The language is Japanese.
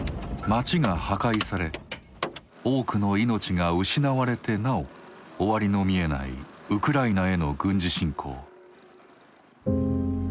町が破壊され多くの命が失われてなお終わりの見えないウクライナへの軍事侵攻。